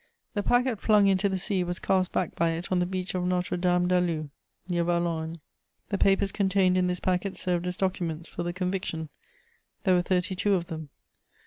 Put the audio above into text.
The packet flung into the sea was cast back by it on the beach of Notre Dame d'Alloue, near Valognes. The papers contained in this packet served as documents for the conviction: there were thirty two of them.